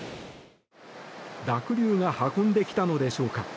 濁流が運んできたのでしょうか